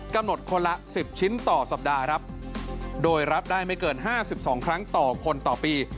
กำหนดคนละ๑๐ชิ้นต่อสัปดาห์ครับโดยรับได้ไม่เกิน๕๒ครั้งต่อคนต่อปี